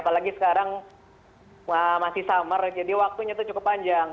apalagi sekarang masih summer jadi waktunya itu cukup panjang